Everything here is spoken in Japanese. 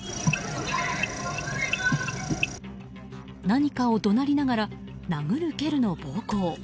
何かを怒鳴りながら殴る蹴るの暴行。